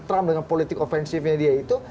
trump dengan politik ofensifnya dia itu